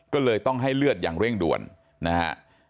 ก็เลยต้องให้เลือดอย่างเร่งด่วนนะฮะ